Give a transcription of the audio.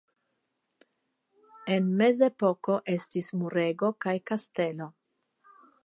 En Mezepoko estis murego kaj kastelo.